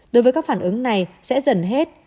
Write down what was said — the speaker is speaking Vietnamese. đối với các phản ứng này sẽ dần hết